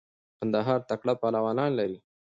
قندهار تکړه پهلوانان لری.